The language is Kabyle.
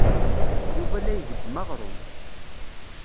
Yuba la igezzem aɣrum.